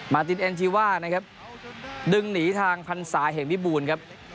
ตินเอ็นจีว่านะครับดึงหนีทางพันศาเหมวิบูรณ์ครับ